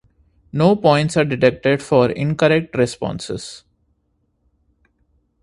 No points are deducted for incorrect responses.